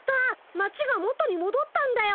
町が元にもどったんだよ。